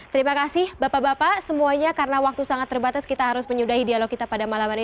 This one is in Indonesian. terima kasih bapak bapak semuanya karena waktu sangat terbatas kita harus menyudahi dialog kita pada malam hari ini